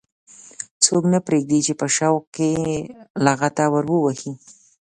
څوک نه پرېږدي چې په شوق کې یې لغته ور ووهي.